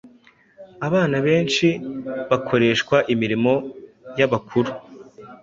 Abana benshi bakoreshwa imirimo y’ abakuru